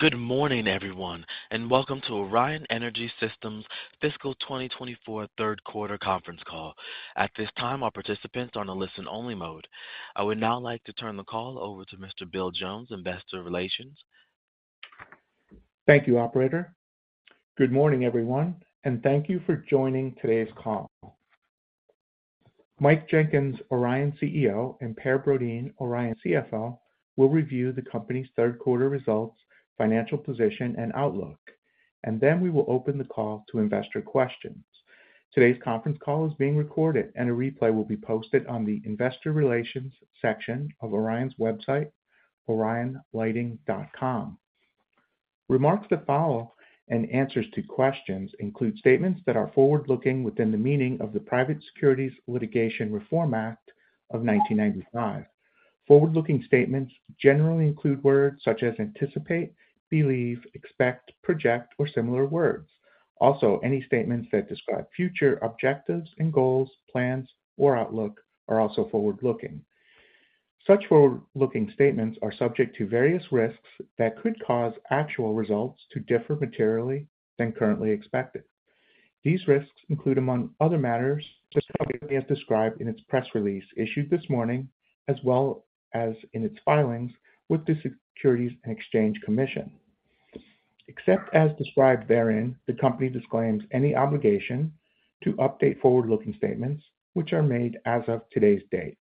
Good morning, everyone, and welcome to Orion Energy Systems' fiscal 2024 Q3 conference call. At this time, all participants are on a listen-only mode. I would now like to turn the call over to Mr. Bill Jones, Investor Relations. Thank you, operator. Good morning, everyone, and thank you for joining today's call. Mike Jenkins, Orion CEO, and Per Brodin, Orion CFO, will review the company's Q3 results, financial position, and outlook. Then we will open the call to investor questions. Today's conference call is being recorded, and a replay will be posted on the Investor Relations section of Orion's website, orionlighting.com. Remarks that follow and answers to questions include statements that are forward-looking within the meaning of the Private Securities Litigation Reform Act of 1995. Forward-looking statements generally include words such as anticipate, believe, expect, project, or similar words. Also, any statements that describe future objectives and goals, plans, or outlook are also forward-looking. Such forward-looking statements are subject to various risks that could cause actual results to differ materially than currently expected. These risks include, among other matters, just as described in its press release issued this morning, as well as in its filings with the Securities and Exchange Commission. Except as described therein, the company disclaims any obligation to update forward-looking statements which are made as of today's date.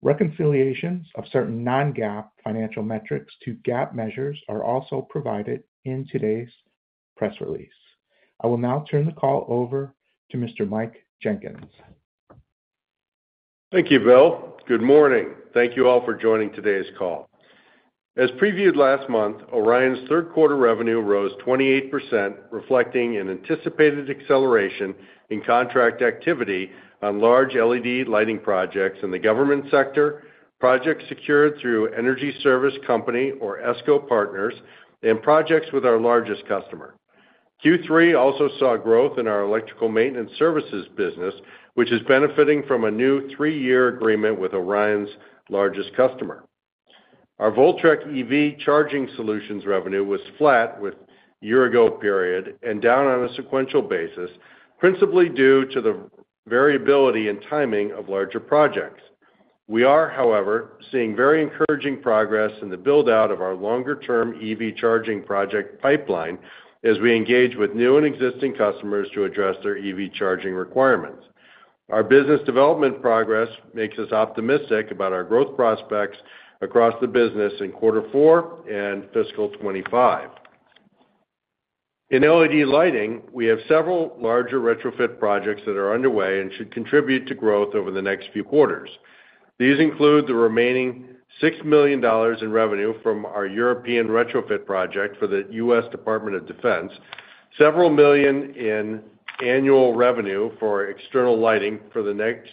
Reconciliations of certain non-GAAP financial metrics to GAAP measures are also provided in today's press release. I will now turn the call over to Mr. Mike Jenkins. Thank you, Bill. Good morning. Thank you all for joining today's call. As previewed last month, Orion's Q3 revenue rose 28%, reflecting an anticipated acceleration in contract activity on large LED lighting projects in the government sector, projects secured through energy service company or ESCO partners, and projects with our largest customer. Q3 also saw growth in our electrical maintenance services business, which is benefiting from a new three-year agreement with Orion's largest customer. Our Voltrek EV charging solutions revenue was flat with year-ago period and down on a sequential basis, principally due to the variability and timing of larger projects. We are, however, seeing very encouraging progress in the build-out of our longer-term EV charging project pipeline as we engage with new and existing customers to address their EV charging requirements. Our business development progress makes us optimistic about our growth prospects across the business in quarter four and fiscal 2025. In LED lighting, we have several larger retrofit projects that are underway and should contribute to growth over the next few quarters. These include the remaining $6 million in revenue from our European retrofit project for the U.S. Department of Defense, $several million in annual revenue for external lighting for the next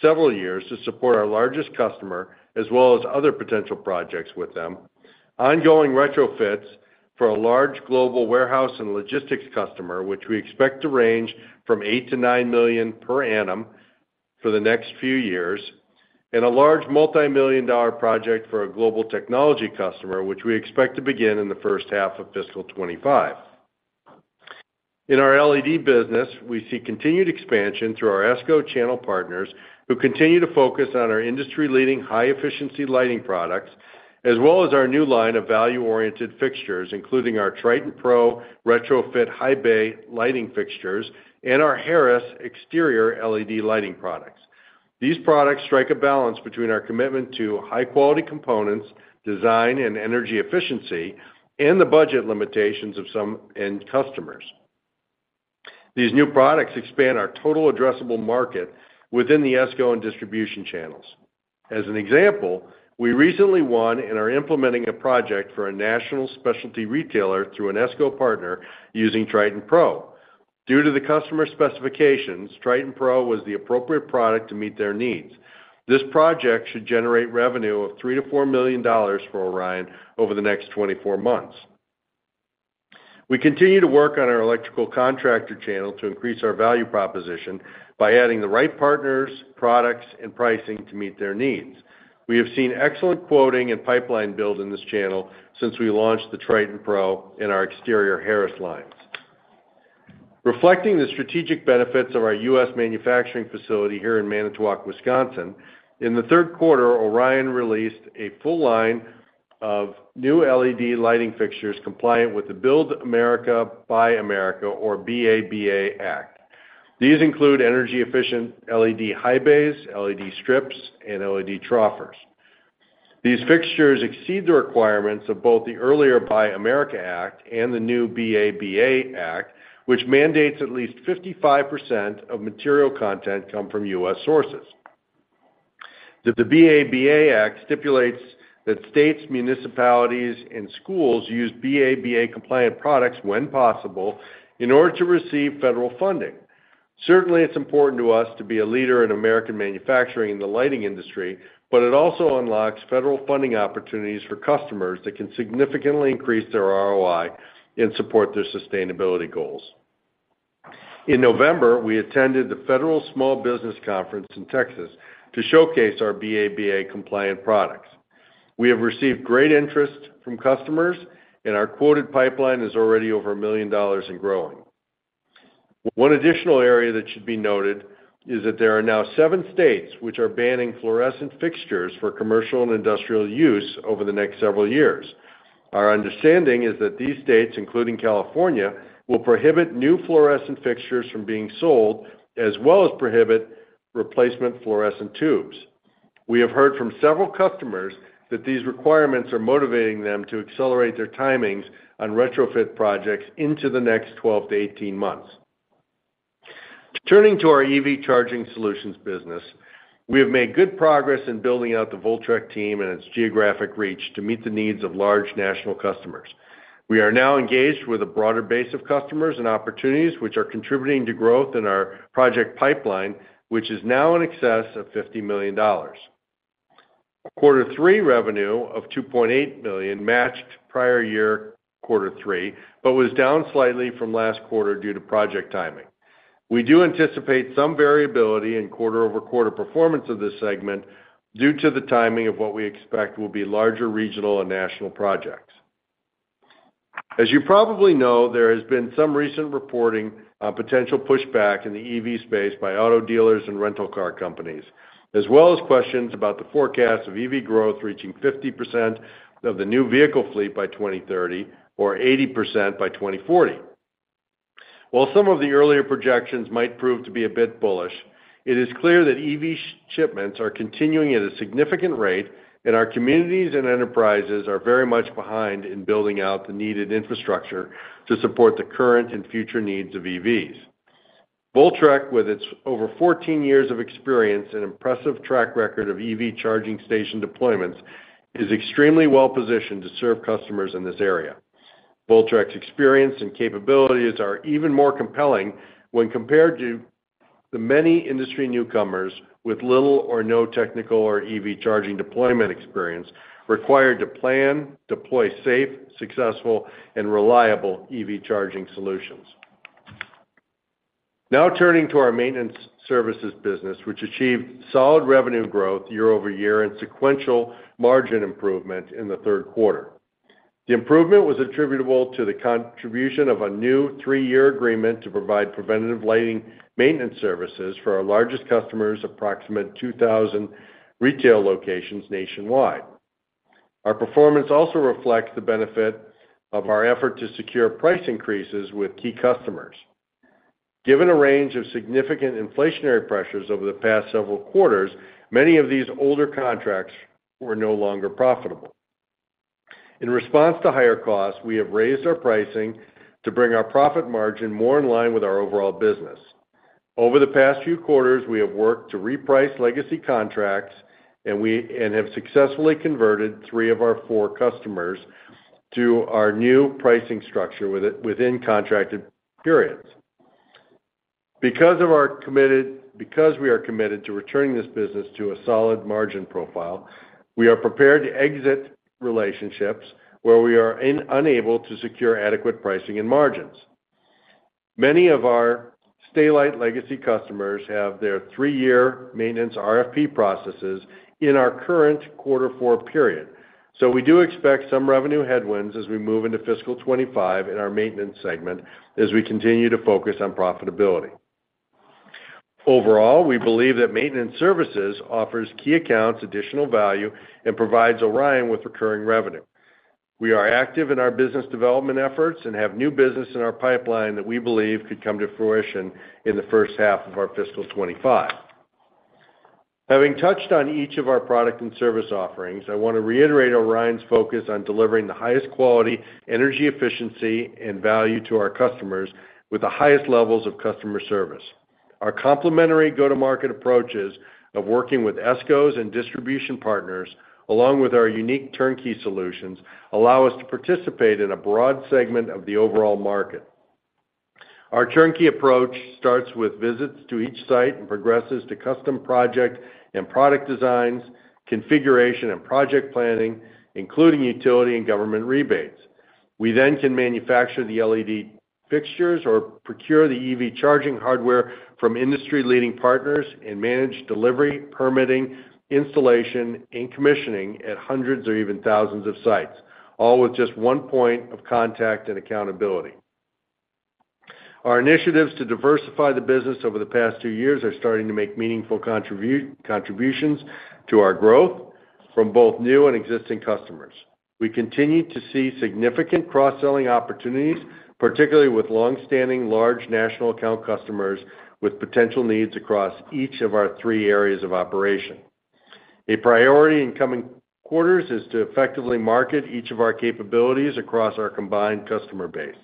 several years to support our largest customer, as well as other potential projects with them, ongoing retrofits for a large global warehouse and logistics customer, which we expect to range from $8 million-$9 million per annum for the next few years, and a large multimillion-dollar project for a global technology customer, which we expect to begin in the first half of fiscal 2025. In our LED business, we see continued expansion through our ESCO channel partners, who continue to focus on our industry-leading, high-efficiency lighting products, as well as our new line of value-oriented fixtures, including our Triton Pro retrofit high bay lighting fixtures and our Harris exterior LED lighting products. These products strike a balance between our commitment to high-quality components, design, and energy efficiency, and the budget limitations of some end customers. These new products expand our total addressable market within the ESCO and distribution channels. As an example, we recently won and are implementing a project for a national specialty retailer through an ESCO partner using Triton Pro. Due to the customer specifications, Triton Pro was the appropriate product to meet their needs. This project should generate revenue of $3 million-$4 million for Orion over the next 24 months. We continue to work on our electrical contractor channel to increase our value proposition by adding the right partners, products, and pricing to meet their needs. We have seen excellent quoting and pipeline build in this channel since we launched the Triton Pro in our exterior Harris lines. Reflecting the strategic benefits of our U.S. manufacturing facility here in Manitowoc, Wisconsin, in the Q3, Orion released a full line of new LED lighting fixtures compliant with the Build America, Buy America, or BABA Act. These include energy-efficient LED high bays, LED strips, and LED troffers. These fixtures exceed the requirements of both the earlier Buy America Act and the new BABA Act, which mandates at least 55% of material content come from U.S. sources. The BABA Act stipulates that states, municipalities, and schools use BABA-compliant products when possible in order to receive federal funding. Certainly, it's important to us to be a leader in American manufacturing in the lighting industry, but it also unlocks federal funding opportunities for customers that can significantly increase their ROI and support their sustainability goals. In November, we attended the Federal Small Business Conference in Texas to showcase our BABA-compliant products. We have received great interest from customers, and our quoted pipeline is already over $1 million and growing. One additional area that should be noted is that there are now seven states which are banning fluorescent fixtures for commercial and industrial use over the next several years. Our understanding is that these states, including California, will prohibit new fluorescent fixtures from being sold, as well as prohibit replacement fluorescent tubes. We have heard from several customers that these requirements are motivating them to accelerate their timings on retrofit projects into the next 12-18 months. Turning to our EV charging solutions business, we have made good progress in building out the Voltrek team and its geographic reach to meet the needs of large national customers. We are now engaged with a broader base of customers and opportunities, which are contributing to growth in our project pipeline, which is now in excess of $50 million. Q3 revenue of $2.8 million matched prior year Q3, but was down slightly from last quarter due to project timing. We do anticipate some variability in quarter-over-quarter performance of this segment due to the timing of what we expect will be larger regional and national projects. As you probably know, there has been some recent reporting on potential pushback in the EV space by auto dealers and rental car companies, as well as questions about the forecast of EV growth reaching 50% of the new vehicle fleet by 2030 or 80% by 2040. While some of the earlier projections might prove to be a bit bullish, it is clear that EV shipments are continuing at a significant rate, and our communities and enterprises are very much behind in building out the needed infrastructure to support the current and future needs of EVs. Voltrek, with its over 14 years of experience and impressive track record of EV charging station deployments, is extremely well positioned to serve customers in this area. Voltrek's experience and capabilities are even more compelling when compared to the many industry newcomers with little or no technical or EV charging deployment experience required to plan, deploy safe, successful, and reliable EV charging solutions. Now turning to our maintenance services business, which achieved solid revenue growth year-over-year and sequential margin improvement in the Q3. The improvement was attributable to the contribution of a new three-year agreement to provide preventative lighting maintenance services for our largest customers, approximately 2,000 retail locations nationwide. Our performance also reflects the benefit of our effort to secure price increases with key customers. Given a range of significant inflationary pressures over the past several quarters, many of these older contracts were no longer profitable. In response to higher costs, we have raised our pricing to bring our profit margin more in line with our overall business. Over the past few quarters, we have worked to reprice legacy contracts, and we and have successfully converted three of our four customers to our new pricing structure with it, within contracted periods. Because we are committed to returning this business to a solid margin profile, we are prepared to exit relationships where we are unable to secure adequate pricing and margins. Many of our Stay-Lite legacy customers have their three-year maintenance RFP processes in our current quarter four period, so we do expect some revenue headwinds as we move into fiscal 2025 in our maintenance segment as we continue to focus on profitability. Overall, we believe that maintenance services offers key accounts additional value and provides Orion with recurring revenue. We are active in our business development efforts and have new business in our pipeline that we believe could come to fruition in the first half of our fiscal 2025. Having touched on each of our product and service offerings, I want to reiterate Orion's focus on delivering the highest quality, energy efficiency, and value to our customers with the highest levels of customer service. Our complementary go-to-market approaches of working with ESCOs and distribution partners, along with our unique turnkey solutions, allow us to participate in a broad segment of the overall market. Our turnkey approach starts with visits to each site and progresses to custom project and product designs, configuration and project planning, including utility and government rebates. We then can manufacture the LED fixtures or procure the EV charging hardware from industry-leading partners and manage delivery, permitting, installation, and commissioning at hundreds or even thousands of sites, all with just one point of contact and accountability. Our initiatives to diversify the business over the past two years are starting to make meaningful contributions to our growth from both new and existing customers. We continue to see significant cross-selling opportunities, particularly with long-standing, large national account customers with potential needs across each of our three areas of operation. A priority in coming quarters is to effectively market each of our capabilities across our combined customer base.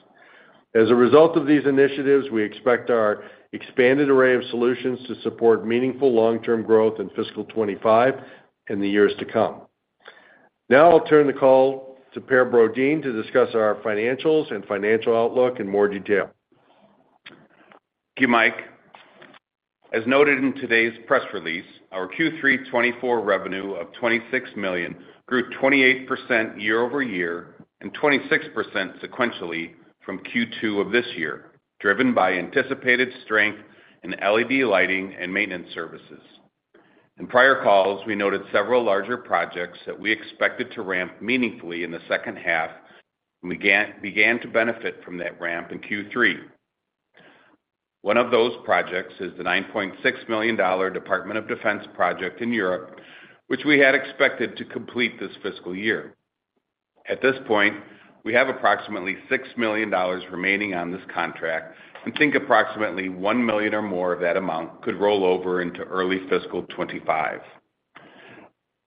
As a result of these initiatives, we expect our expanded array of solutions to support meaningful long-term growth in fiscal 25 and the years to come. Now I'll turn the call to Per Brodin to discuss our financials and financial outlook in more detail. Thank you, Mike. ...As noted in today's press release, our Q3 2024 revenue of $26 million grew 28% year-over-year and 26% sequentially from Q2 of this year, driven by anticipated strength in LED lighting and maintenance services. In prior calls, we noted several larger projects that we expected to ramp meaningfully in the second half and began to benefit from that ramp in Q3. One of those projects is the $9.6 million Department of Defense project in Europe, which we had expected to complete this fiscal year. At this point, we have approximately $6 million remaining on this contract and think approximately $1 million or more of that amount could roll over into early fiscal 2025.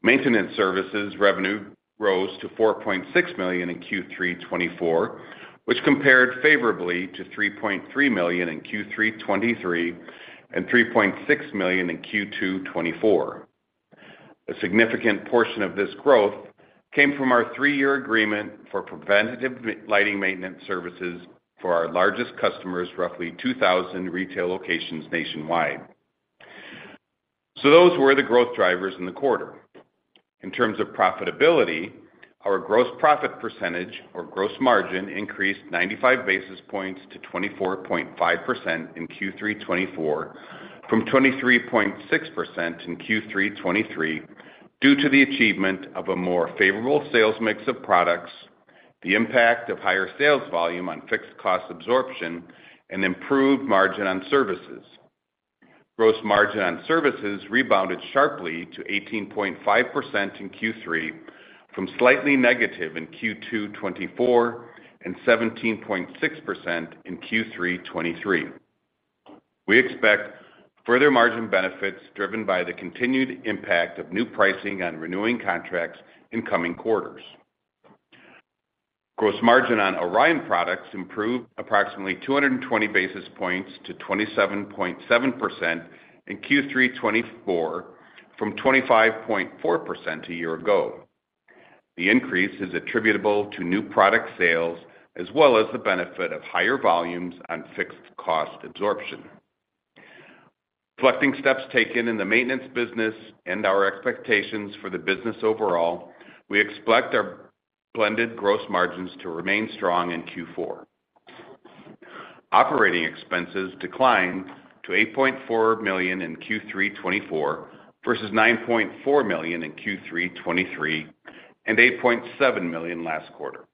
Maintenance services revenue rose to $4.6 million in Q3 2024, which compared favorably to $3.3 million in Q3 2023 and $3.6 million in Q2 2024. A significant portion of this growth came from our three-year agreement for preventative lighting maintenance services for our largest customers, roughly 2,000 retail locations nationwide. So those were the growth drivers in the quarter. In terms of profitability, our gross profit percentage or gross margin increased 95 basis points to 24.5% in Q3 2024, from 23.6% in Q3 2023, due to the achievement of a more favorable sales mix of products, the impact of higher sales volume on fixed cost absorption, and improved margin on services. Gross margin on services rebounded sharply to 18.5% in Q3 2024 from slightly negative in Q2 2024 and 17.6% in Q3 2023. We expect further margin benefits, driven by the continued impact of new pricing on renewing contracts in coming quarters. Gross margin on Orion products improved approximately 220 basis points to 27.7% in Q3 2024 from 25.4% a year ago. The increase is attributable to new product sales, as well as the benefit of higher volumes on fixed cost absorption. Reflecting steps taken in the maintenance business and our expectations for the business overall, we expect our blended gross margins to remain strong in Q4. Operating expenses declined to $8.4 million in Q3 2024 versus $9.4 million in Q3 2023 and $8.7 million last quarter.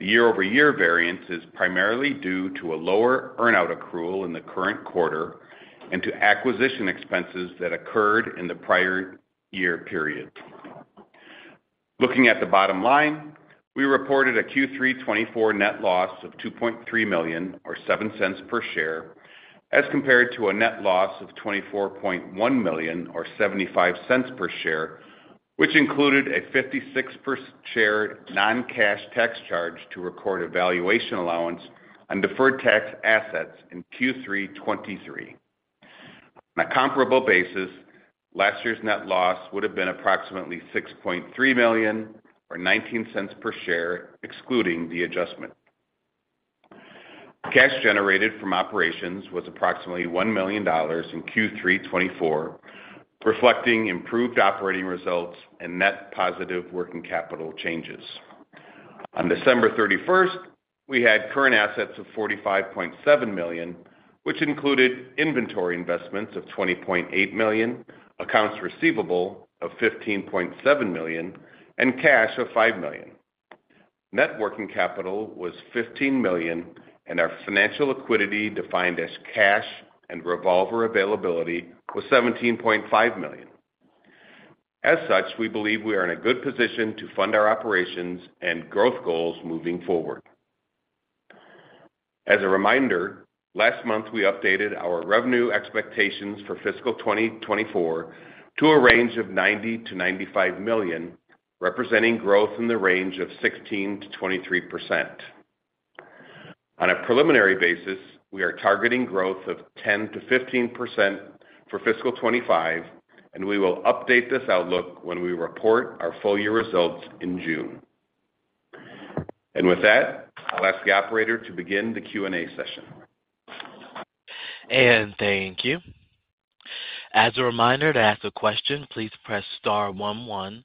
The year-over-year variance is primarily due to a lower earn-out accrual in the current quarter and to acquisition expenses that occurred in the prior year period. Looking at the bottom line, we reported a Q3 2024 net loss of $2.3 million, or $0.07 per share, as compared to a net loss of $24.1 million or $0.75 per share, which included a 56 cents per share non-cash tax charge to record a valuation allowance on deferred tax assets in Q3 2023. On a comparable basis, last year's net loss would have been approximately $6.3 million, or $0.19 per share, excluding the adjustment. Cash generated from operations was approximately $1 million in Q3 2024, reflecting improved operating results and net positive working capital changes. On December thirty-first, we had current assets of $45.7 million, which included inventory investments of $20.8 million, accounts receivable of $15.7 million, and cash of $5 million. Net working capital was $15 million, and our financial liquidity, defined as cash and revolver availability, was $17.5 million. As such, we believe we are in a good position to fund our operations and growth goals moving forward. As a reminder, last month, we updated our revenue expectations for fiscal 2024 to a range of $90 million-$95 million, representing growth in the range of 16%-23%. On a preliminary basis, we are targeting growth of 10%-15% for fiscal 2025, and we will update this outlook when we report our full year results in June. And with that, I'll ask the operator to begin the Q&A session. And thank you. As a reminder, to ask a question, please press star one one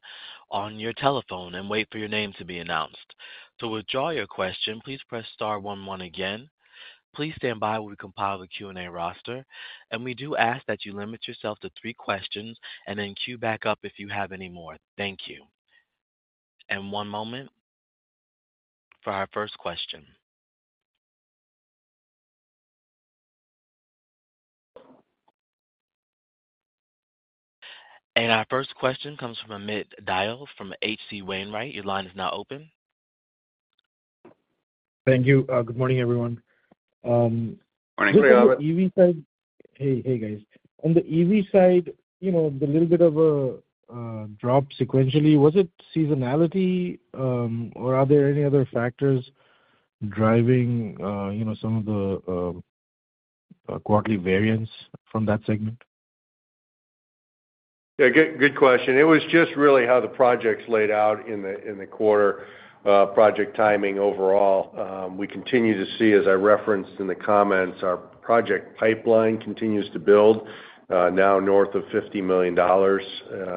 on your telephone and wait for your name to be announced. To withdraw your question, please press star one one again. Please stand by while we compile the Q&A roster, and we do ask that you limit yourself to three questions and then queue back up if you have any more. Thank you. And one moment for our first question. And our first question comes from Amit Dayal from H.C. Wainwright. Your line is now open. Thank you. Good morning, everyone, Good morning, Amit. On the EV side... Hey, hey, guys. On the EV side, you know, the little bit of a drop sequentially, was it seasonality, or are there any other factors driving, you know, some of the quarterly variance from that segment?... Yeah, good, good question. It was just really how the projects laid out in the, in the quarter, project timing overall. We continue to see, as I referenced in the comments, our project pipeline continues to build, now north of $50 million,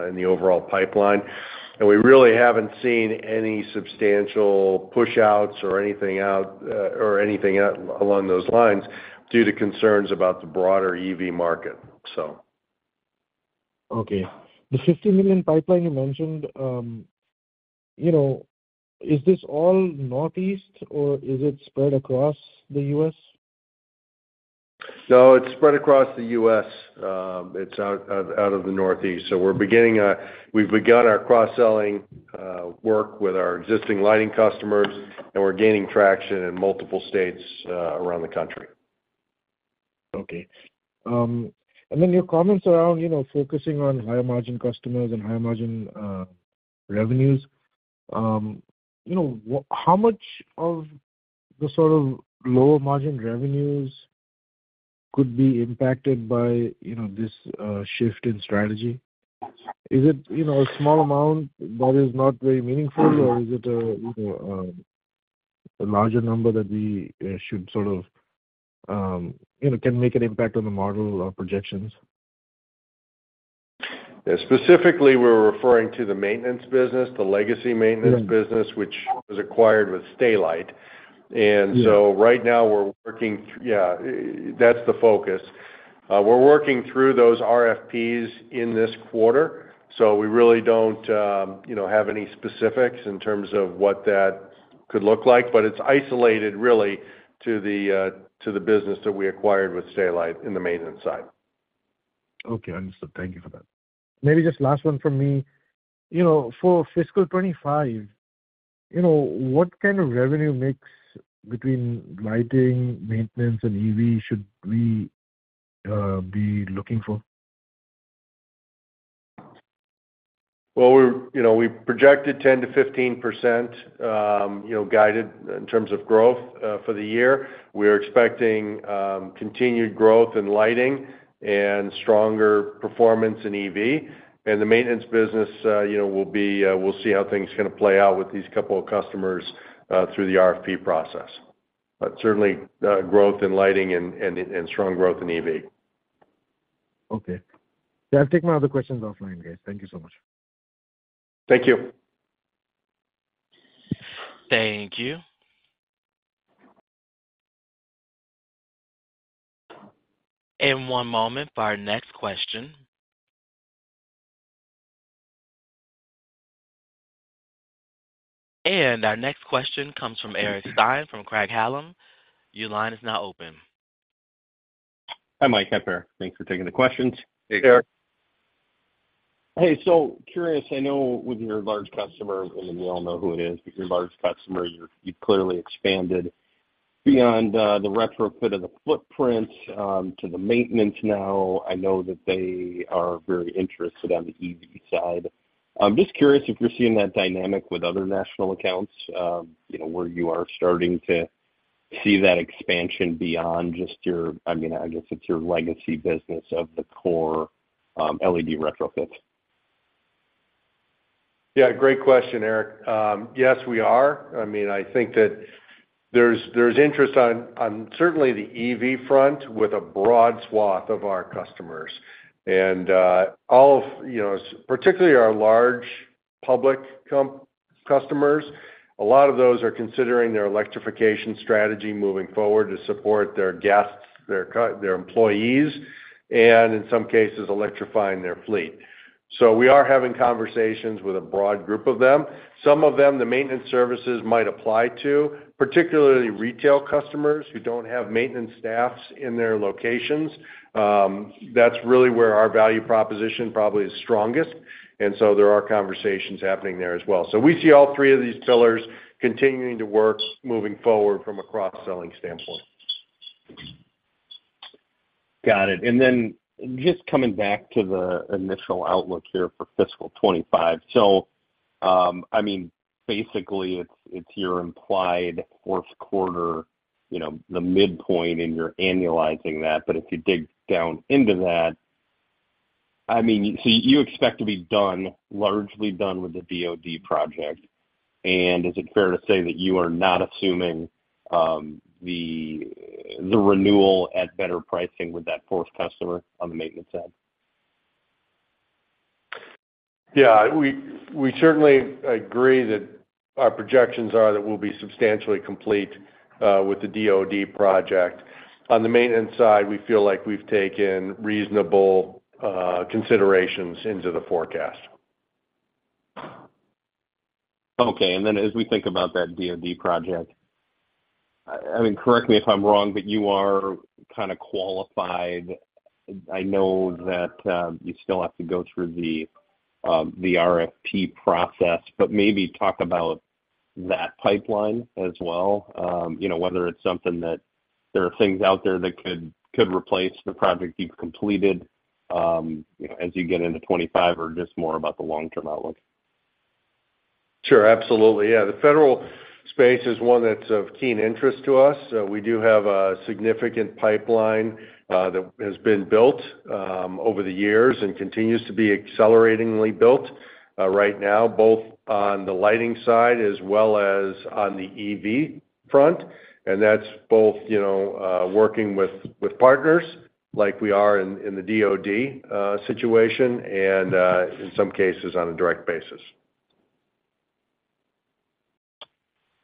in the overall pipeline. And we really haven't seen any substantial push outs or anything out, or anything out along those lines due to concerns about the broader EV market, so. Okay. The $50 million pipeline you mentioned, you know, is this all Northeast, or is it spread across the U.S.? No, it's spread across the U.S. It's out of the Northeast. So we've begun our cross-selling work with our existing lighting customers, and we're gaining traction in multiple states around the country. Okay. And then your comments around, you know, focusing on higher margin customers and higher margin revenues. You know, how much of the sort of lower margin revenues could be impacted by, you know, this shift in strategy? Is it, you know, a small amount that is not very meaningful, or is it a, you know, a larger number that we should sort of, you know, can make an impact on the model or projections? Yeah, specifically, we're referring to the maintenance business, the legacy maintenance- Right... business, which was acquired with Stay-Lite. Yeah. And so right now we're working—yeah, that's the focus. We're working through those RFPs in this quarter, so we really don't, you know, have any specifics in terms of what that could look like. But it's isolated really to the business that we acquired with Stay-Lite in the maintenance side. Okay, understood. Thank you for that. Maybe just last one from me. You know, for fiscal 25, you know, what kind of revenue mix between lighting, maintenance, and EV should we be looking for? Well, we're, you know, we projected 10%-15%, you know, guided in terms of growth, for the year. We're expecting continued growth in lighting and stronger performance in EV. The maintenance business, you know, will be, we'll see how things kind of play out with these couple of customers through the RFP process. But certainly, growth in lighting and strong growth in EV. Okay. Yeah, I'll take my other questions offline, guys. Thank you so much. Thank you. Thank you. One moment for our next question. Our next question comes from Eric Stine from Craig-Hallum. Your line is now open. Hi, Mike and Per. Thanks for taking the questions. Hey, Eric. Hey, so curious, I know with your large customer, and we all know who it is, but your large customer, you've clearly expanded beyond the retrofit of the footprint to the maintenance now. I know that they are very interested on the EV side. I'm just curious if you're seeing that dynamic with other national accounts, you know, where you are starting to see that expansion beyond just your, I mean, I guess it's your legacy business of the core LED retrofits. Yeah, great question, Eric. Yes, we are. I mean, I think that there's interest on certainly the EV front with a broad swath of our customers. And all of, you know, particularly our large public customers, a lot of those are considering their electrification strategy moving forward to support their guests, their employees, and in some cases, electrifying their fleet. So we are having conversations with a broad group of them. Some of them, the maintenance services might apply to, particularly retail customers who don't have maintenance staffs in their locations. That's really where our value proposition probably is strongest, and so there are conversations happening there as well. So we see all three of these pillars continuing to work moving forward from a cross-selling standpoint. Got it. And then just coming back to the initial outlook here for fiscal 2025. So, I mean, basically, it's, it's your implied Q4, you know, the midpoint, and you're annualizing that. But if you dig down into that, I mean, so you expect to be done, largely done with the DoD project. And is it fair to say that you are not assuming, the renewal at better pricing with that fourth customer on the maintenance end? Yeah, we certainly agree that our projections are that we'll be substantially complete with the DoD project. On the maintenance side, we feel like we've taken reasonable considerations into the forecast. Okay, and then as we think about that DoD project, I mean, correct me if I'm wrong, but you are kind of qualified. I know that you still have to go through the RFP process, but maybe talk about that pipeline as well. You know, whether it's something that there are things out there that could replace the project you've completed, as you get into 2025 or just more about the long-term outlook?... Sure, absolutely. Yeah, the federal space is one that's of keen interest to us. We do have a significant pipeline that has been built over the years and continues to be acceleratingly built right now, both on the lighting side as well as on the EV front. That's both, you know, working with partners like we are in the DoD situation, and in some cases on a direct basis.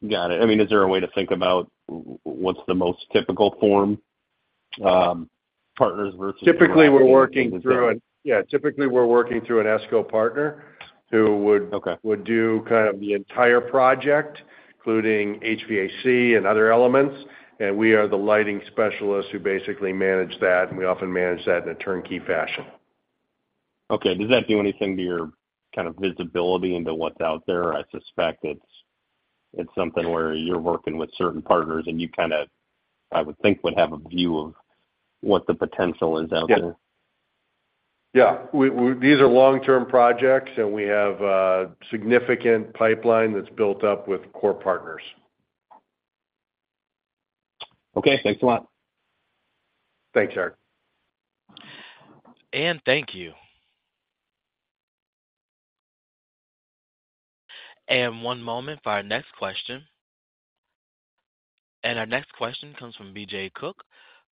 Got it. I mean, is there a way to think about what's the most typical form, partners versus- Typically, we're working through an ESCO partner who would- Okay. Would do kind of the entire project, including HVAC and other elements. We are the lighting specialists who basically manage that, and we often manage that in a turnkey fashion. Okay. Does that do anything to your kind of visibility into what's out there? I suspect it's, it's something where you're working with certain partners, and you kind of, I would think, would have a view of what the potential is out there. Yeah. These are long-term projects, and we have a significant pipeline that's built up with core partners. Okay, thanks a lot. Thanks, Eric. Thank you. One moment for our next question. Our next question comes from BJ Cook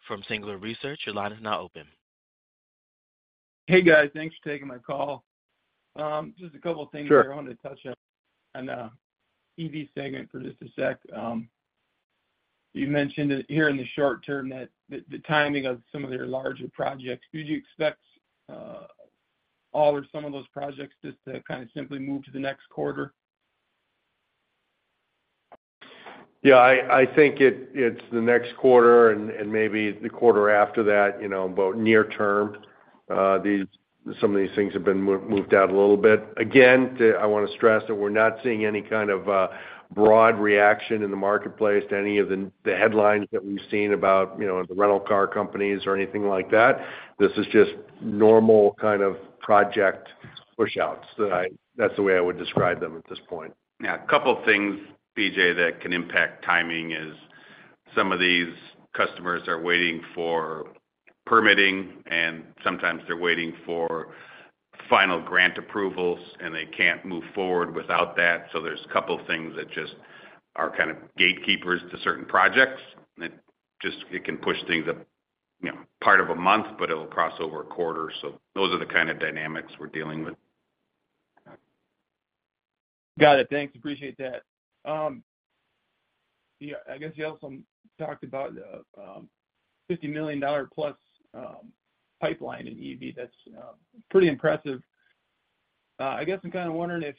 from Singular Research. Your line is now open. Hey, guys, thanks for taking my call. Just a couple of things- Sure. I wanted to touch on EV segment for just a sec. You mentioned that here in the short term that the timing of some of your larger projects, do you expect all or some of those projects just to kind of simply move to the next quarter? Yeah, I think it's the next quarter and maybe the quarter after that, you know, but near term, some of these things have been moved out a little bit. Again, I want to stress that we're not seeing any kind of broad reaction in the marketplace to any of the headlines that we've seen about, you know, the rental car companies or anything like that. This is just normal kind of project pushouts. That's the way I would describe them at this point. Yeah, a couple of things, BJ, that can impact timing is some of these customers are waiting for permitting, and sometimes they're waiting for final grant approvals, and they can't move forward without that. So there's a couple of things that just are kind of gatekeepers to certain projects, and it just, it can push things up, you know, part of a month, but it'll cross over a quarter. So those are the kind of dynamics we're dealing with. Got it. Thanks, appreciate that. Yeah, I guess you also talked about $50 million-plus pipeline in EV. That's pretty impressive. I guess I'm kind of wondering if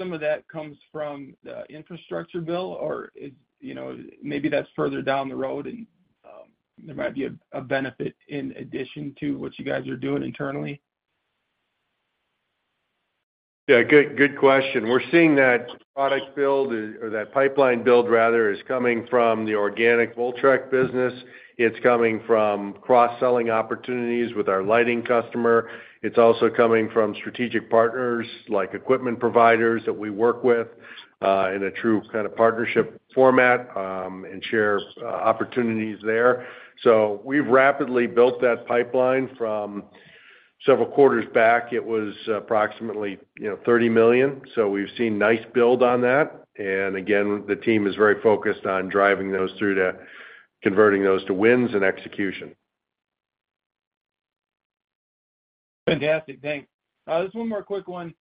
some of that comes from the infrastructure bill, or is, you know, maybe that's further down the road, and there might be a benefit in addition to what you guys are doing internally? Yeah, good, good question. We're seeing that product build, or that pipeline build, rather, is coming from the organic Voltrek business. It's coming from cross-selling opportunities with our lighting customer. It's also coming from strategic partners, like equipment providers that we work with, in a true kind of partnership format, and share opportunities there. So we've rapidly built that pipeline from several quarters back. It was approximately, you know, $30 million, so we've seen nice build on that. And again, the team is very focused on driving those through to converting those to wins and execution. Fantastic. Thanks. Just one more quick one.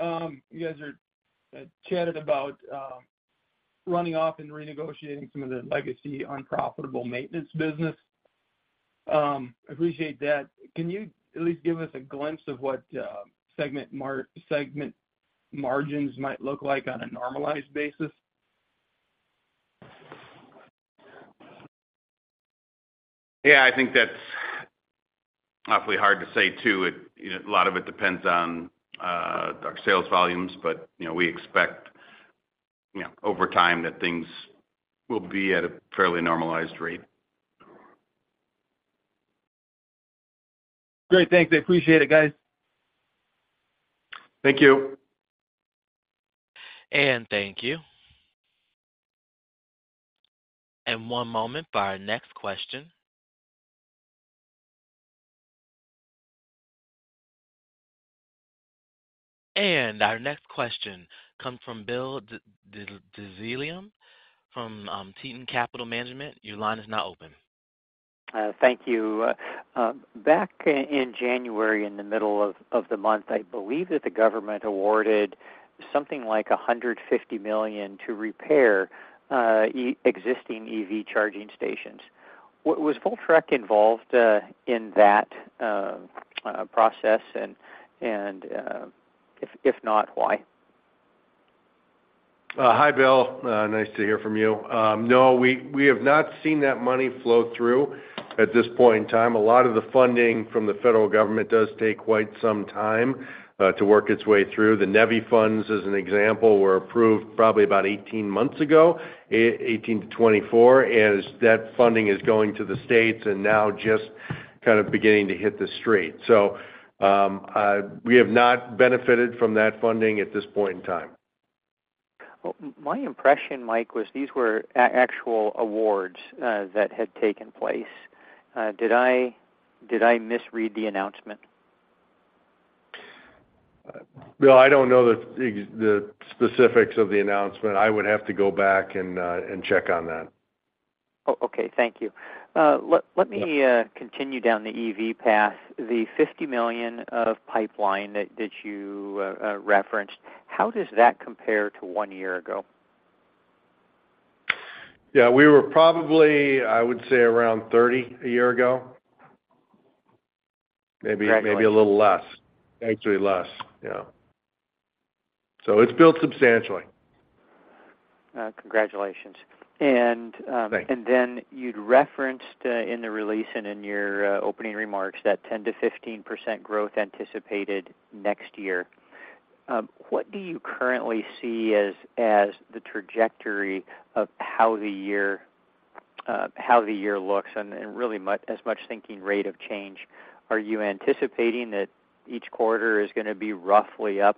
You guys are chatted about running off and renegotiating some of the legacy unprofitable maintenance business. Appreciate that. Can you at least give us a glimpse of what segment margins might look like on a normalized basis? Yeah, I think that's awfully hard to say, too. It, you know, a lot of it depends on, our sales volumes, but, you know, we expect, you know, over time, that things will be at a fairly normalized rate. Great. Thanks. I appreciate it, guys. Thank you. Thank you. One moment for our next question. Our next question comes from Bill Dezellem from Tieton Capital Management. Your line is now open. Thank you. Back in January, in the middle of the month, I believe that the government awarded something like $150 million to repair existing EV charging stations. Was Voltrek involved in that process? And if not, why? Hi, Bill. Nice to hear from you. No, we have not seen that money flow through at this point in time. A lot of the funding from the federal government does take quite some time to work its way through. The NEVI funds, as an example, were approved probably about 18 months ago, 18-24, and as that funding is going to the states and now just kind of beginning to hit the street. So, we have not benefited from that funding at this point in time. ... Well, my impression, Mike, was these were actual awards that had taken place. Did I misread the announcement? Well, I don't know the specifics of the announcement. I would have to go back and check on that. Oh, okay. Thank you. Let me- Yeah... continue down the EV path. The $50 million of pipeline that you referenced, how does that compare to one year ago? Yeah, we were probably, I would say, around 30 a year ago. Okay. Maybe, maybe a little less. Actually less, yeah. So it's built substantially. Congratulations. And Thanks... and then you'd referenced in the release and in your opening remarks that 10%-15% growth anticipated next year. What do you currently see as the trajectory of how the year looks and really much thinking rate of change? Are you anticipating that each quarter is gonna be roughly up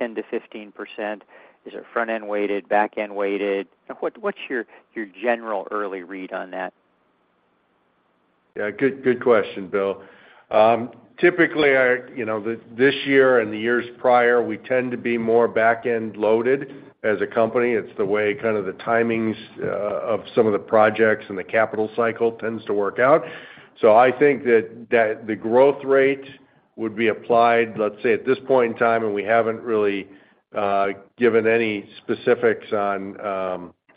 10%-15%? Is it front-end weighted, back-end weighted? What's your general early read on that? Yeah, good, good question, Bill. Typically, our, you know, the, this year and the years prior, we tend to be more back-end loaded as a company. It's the way kind of the timings of some of the projects and the capital cycle tends to work out. So I think that, that the growth rate would be applied, let's say, at this point in time, and we haven't really given any specifics on,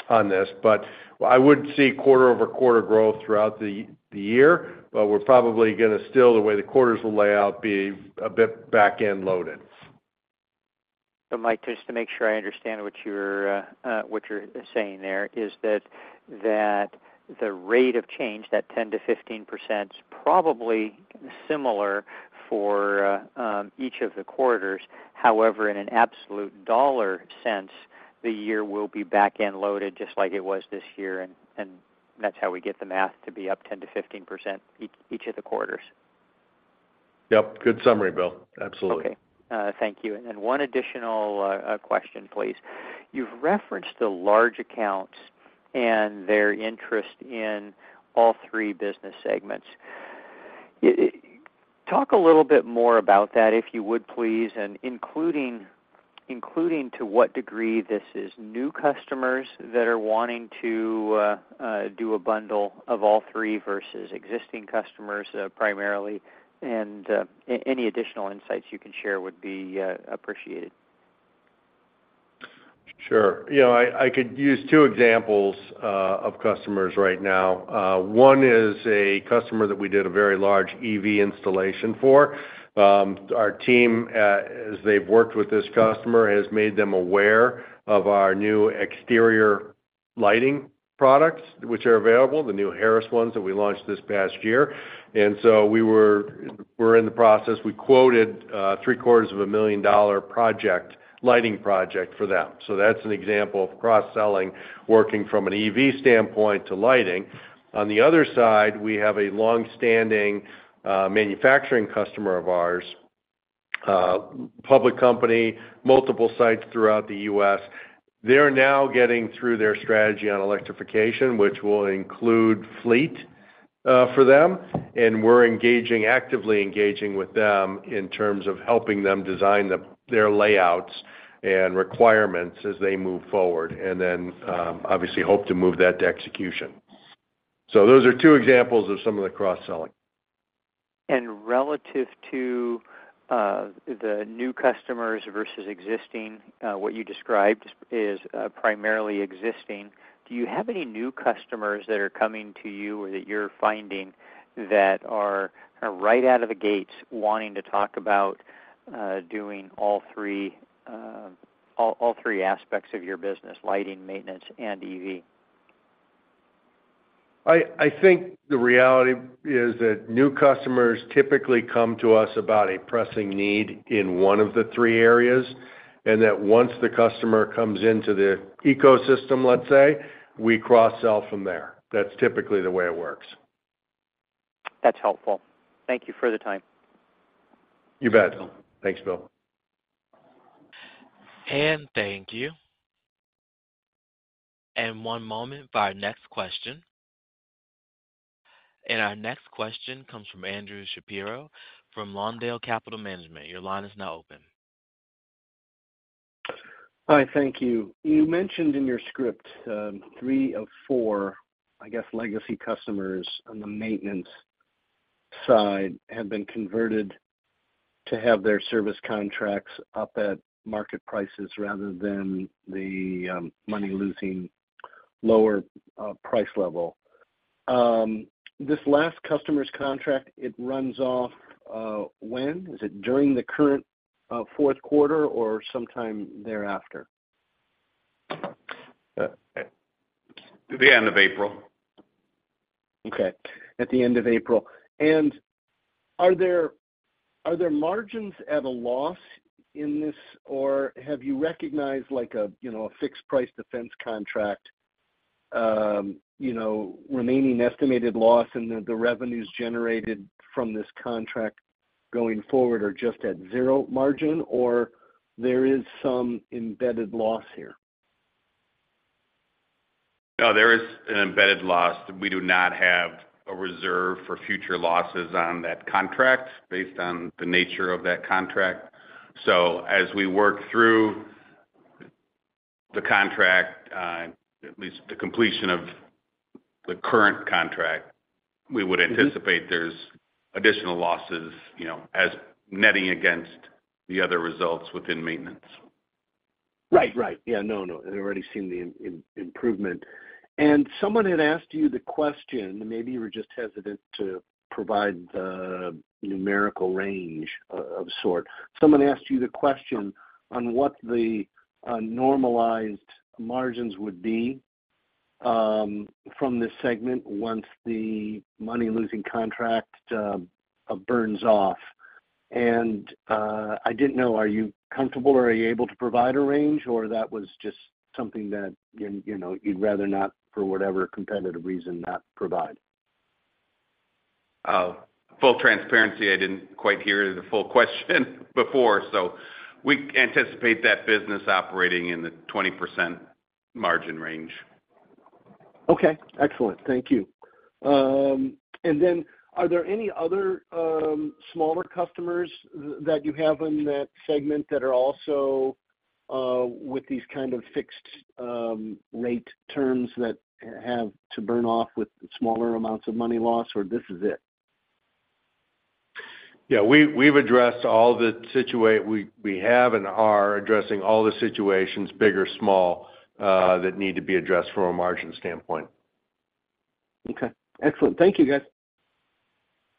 on this. But I would see quarter-over-quarter growth throughout the, the year, but we're probably gonna still, the way the quarters will lay out, be a bit back-end loaded. So Mike, just to make sure I understand what you're saying there, is that the rate of change, that 10%-15%, is probably similar for each of the quarters. However, in an absolute dollar sense, the year will be back-end loaded, just like it was this year, and that's how we get the math to be up 10%-15% each of the quarters. Yep, good summary, Bill. Absolutely. Okay, thank you. And one additional question, please. You've referenced the large accounts and their interest in all three business segments. Talk a little bit more about that, if you would, please, and including to what degree this is new customers that are wanting to do a bundle of all three versus existing customers, primarily, and any additional insights you can share would be appreciated. Sure. You know, I, I could use two examples of customers right now. One is a customer that we did a very large EV installation for. Our team, as they've worked with this customer, has made them aware of our new exterior lighting products, which are available, the new Harris ones that we launched this past year. And so we were-- we're in the process. We quoted a $750,000 lighting project for them. So that's an example of cross-selling, working from an EV standpoint to lighting. On the other side, we have a long-standing manufacturing customer of ours, public company, multiple sites throughout the U.S. They're now getting through their strategy on electrification, which will include fleet for them, and we're engaging, actively engaging with them in terms of helping them design their layouts and requirements as they move forward, and then obviously hope to move that to execution. So those are two examples of some of the cross-selling. Relative to the new customers versus existing, what you described is primarily existing. Do you have any new customers that are coming to you or that you're finding that are right out of the gates wanting to talk about doing all three aspects of your business: lighting, maintenance, and EV? I think the reality is that new customers typically come to us about a pressing need in one of the three areas, and that once the customer comes into the ecosystem, let's say, we cross-sell from there. That's typically the way it works. That's helpful. Thank you for the time. You bet. Thanks, Bill. Thank you. One moment for our next question. Our next question comes from Andrew Shapiro from Lawndale Capital Management. Your line is now open. Hi, thank you. You mentioned in your script, three of four, I guess, legacy customers on the maintenance side have been converted to have their service contracts up at market prices rather than the, money-losing, lower, price level. This last customer's contract, it runs off when? Is it during the current Q4 or sometime thereafter? The end of April. Okay, at the end of April. And are there, are there margins at a loss in this, or have you recognized like a, you know, a fixed price defense contract?... you know, remaining estimated loss and the, the revenues generated from this contract going forward are just at zero margin, or there is some embedded loss here? No, there is an embedded loss. We do not have a reserve for future losses on that contract based on the nature of that contract. So as we work through the contract, at least the completion of the current contract, we would anticipate there's additional losses, you know, as netting against the other results within maintenance. Right. Right. Yeah. No, no, they've already seen the improvement. And someone had asked you the question, maybe you were just hesitant to provide the numerical range of sort. Someone asked you the question on what the normalized margins would be from this segment once the money-losing contract burns off. And I didn't know, are you comfortable or are you able to provide a range, or that was just something that you know you'd rather not, for whatever competitive reason, not provide? Full transparency, I didn't quite hear the full question before, so we anticipate that business operating in the 20% margin range. Okay, excellent. Thank you. And then are there any other smaller customers that you have in that segment that are also with these kind of fixed rate terms that have to burn off with smaller amounts of money loss, or this is it? Yeah, we've addressed all the situations, we have and are addressing all the situations, big or small, that need to be addressed from a margin standpoint. Okay, excellent. Thank you, guys.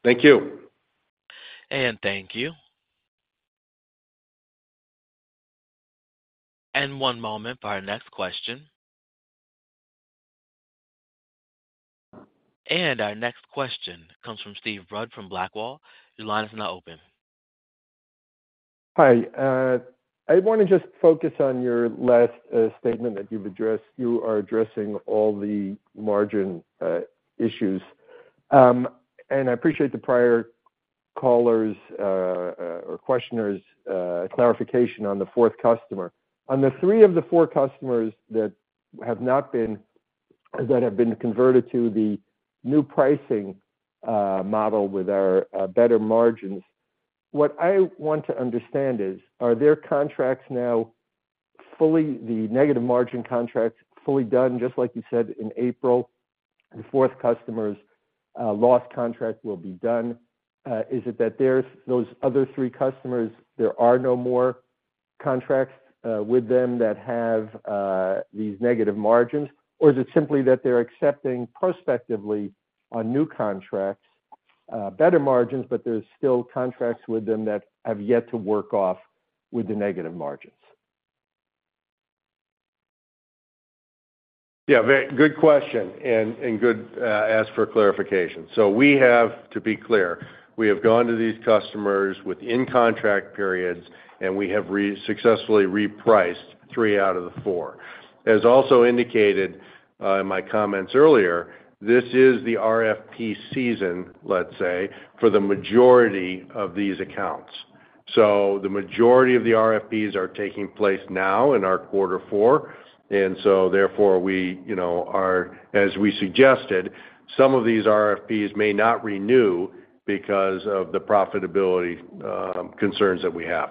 Thank you. Thank you. One moment for our next question. Our next question comes from Steve Rudd from Blackwell. Your line is now open. Hi, I wanna just focus on your last statement that you've addressed. You are addressing all the margin issues. And I appreciate the prior caller's or questioner's clarification on the fourth customer. On the three of the four customers that have not been—that have been converted to the new pricing model with our better margins, what I want to understand is, are their contracts now fully, the negative margin contracts, fully done, just like you said in April, the fourth customer's loss contract will be done? Is it that there's those other three customers, there are no more contracts with them that have these negative margins? Or is it simply that they're accepting prospectively on new contracts better margins, but there's still contracts with them that have yet to work off with the negative margins? Yeah, very good question, and good ask for clarification. So we have, to be clear, we have gone to these customers with in-contract periods, and we have successfully repriced three out of the four. As also indicated in my comments earlier, this is the RFP season, let's say, for the majority of these accounts. So the majority of the RFPs are taking place now in our quarter four, and so therefore, we, you know, are, as we suggested, some of these RFPs may not renew because of the profitability concerns that we have.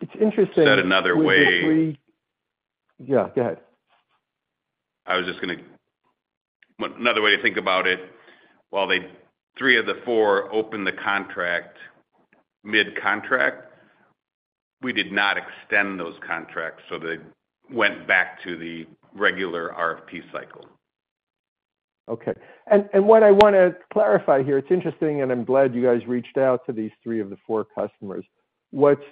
It's interesting- Said another way- Yeah, go ahead. Another way to think about it, while they, three of the four opened the contract mid-contract, we did not extend those contracts, so they went back to the regular RFP cycle. Okay. And what I want to clarify here, it's interesting, and I'm glad you guys reached out to these three of the four customers. What's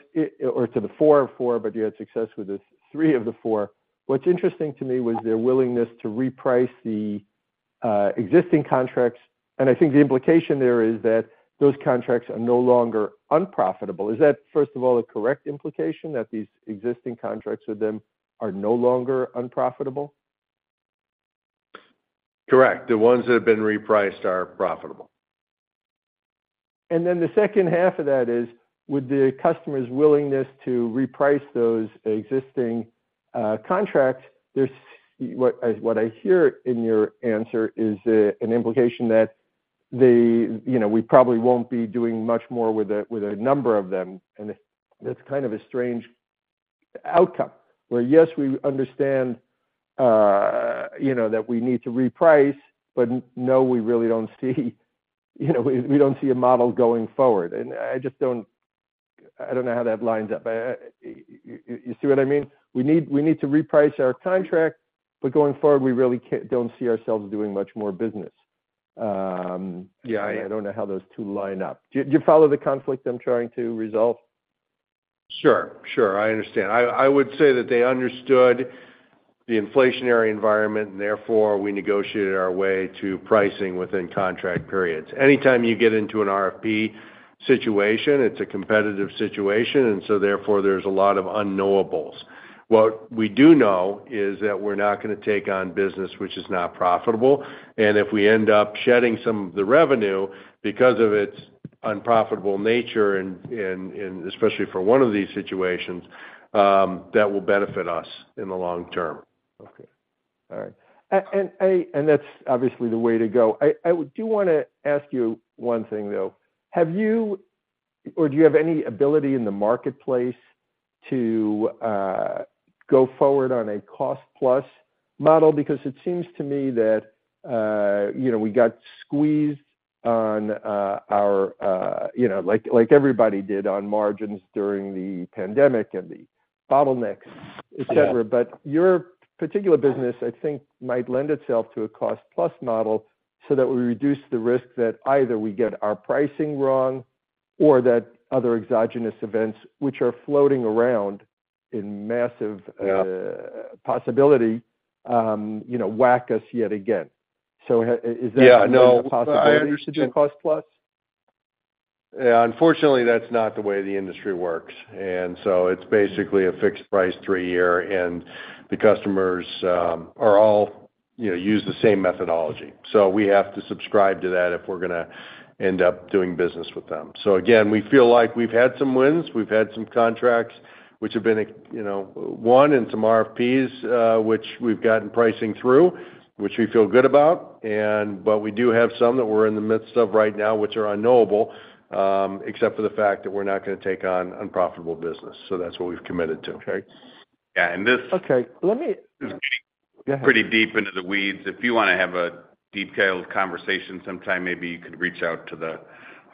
or to the four of four, but you had success with the three of the four. What's interesting to me was their willingness to reprice the existing contracts, and I think the implication there is that those contracts are no longer unprofitable. Is that, first of all, a correct implication, that these existing contracts with them are no longer unprofitable? Correct. The ones that have been repriced are profitable. Then the second half of that is, with the customer's willingness to reprice those existing contracts, there's, what, as what I hear in your answer is, an implication that they, you know, we probably won't be doing much more with a, with a number of them, and that's kind of a strange outcome, where, yes, we understand, you know, that we need to reprice, but no, we really don't see, you know, we don't see a model going forward. And I just don't—I don't know how that lines up. You see what I mean? We need, we need to reprice our contract, but going forward, we really don't see ourselves doing much more business. Yeah, I- I don't know how those two line up. Do you, do you follow the conflict I'm trying to resolve? Sure, sure. I understand. I would say that they understood the inflationary environment, and therefore, we negotiated our way to pricing within contract periods. Anytime you get into an RFP situation, it's a competitive situation, and so therefore, there's a lot of unknowables. What we do know is that we're not gonna take on business which is not profitable, and if we end up shedding some of the revenue because of its unprofitable nature and especially for one of these situations, that will benefit us in the long term. Okay. All right. And that's obviously the way to go. I do wanna ask you one thing, though: Have you or do you have any ability in the marketplace to go forward on a cost-plus model? Because it seems to me that, you know, we got squeezed on our, you know, like, like everybody did on margins during the pandemic and the bottlenecks, et cetera. Yeah. But your particular business, I think, might lend itself to a cost-plus model so that we reduce the risk that either we get our pricing wrong or that other exogenous events, which are floating around in massive- Yeah possibility, you know, whack us yet again. So is that- Yeah, no a possibility to do cost plus? Yeah, unfortunately, that's not the way the industry works, and so it's basically a fixed price, three-year, and the customers are all... You know, use the same methodology. So we have to subscribe to that if we're gonna end up doing business with them. So again, we feel like we've had some wins. We've had some contracts which have been, you know, won, and some RFPs which we've gotten pricing through, which we feel good about. And but we do have some that we're in the midst of right now, which are unknowable, except for the fact that we're not gonna take on unprofitable business. So that's what we've committed to. Okay. Yeah, and this- Okay, let me... Go ahead. Pretty deep into the weeds. If you wanna have a detailed conversation sometime, maybe you could reach out to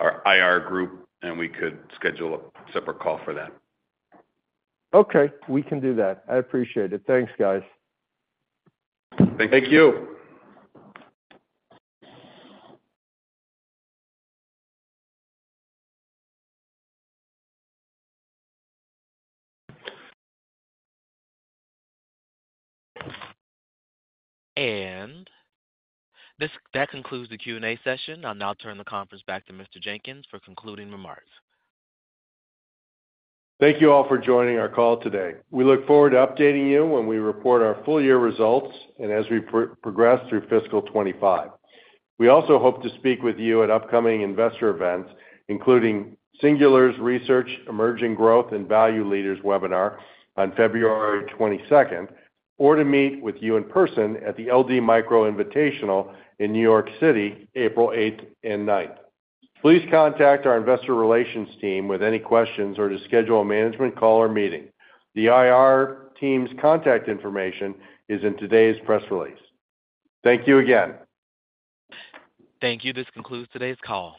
our IR group, and we could schedule a separate call for that. Okay, we can do that. I appreciate it. Thanks, guys. Thank you. That concludes the Q&A session. I'll now turn the conference back to Mr. Jenkins for concluding remarks. Thank you all for joining our call today. We look forward to updating you when we report our full year results and as we progress through fiscal 2025. We also hope to speak with you at upcoming Investor Events, including Singular Research's Emerging Growth and Value Leaders Webinar on February 22nd, or to meet with you in person at the LD Micro Invitational in New York City, April 8th and 9th. Please contact our Investor Relations team with any questions or to schedule a management call or meeting. The IR team's contact information is in today's press release. Thank you again. Thank you. This concludes today's call.